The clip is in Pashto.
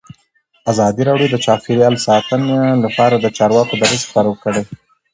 ازادي راډیو د چاپیریال ساتنه لپاره د چارواکو دریځ خپور کړی.